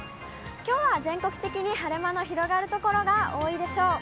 きょうは全国的に晴れ間の広がる所が多いでしょう。